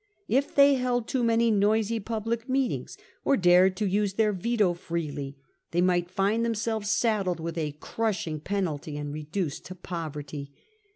If they held too many noisy public meetings or dared to use their veto freely, they might find themselves saddled with a crushing penalty and reduced to poverty.